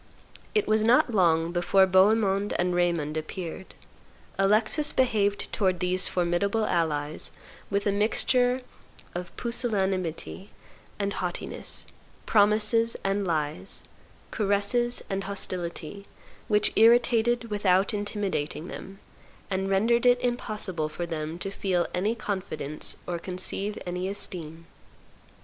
It was not long before Bohemond and Raymond appeared. Alexis behaved towards these formidable allies with a mixture of pusillanimity and haughtiness, promises and lies, caresses and hostility, which irritated without intimidating them, and rendered it impossible for them to feel any confidence or conceive any esteem.